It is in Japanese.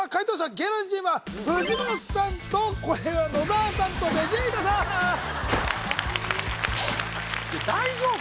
芸能人チームは藤本さんとこれは野沢さんとベジータさん大丈夫？